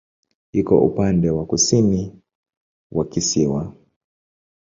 Iko upande wa kusini wa kisiwa.